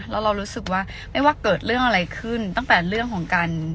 แล้วเรารู้สึกว่าไม่ว่าเกิดเรื่องอะไรขึ้นตั้งแต่เรื่องของการ